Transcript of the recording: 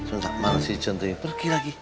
sengsara si centri pergi lagi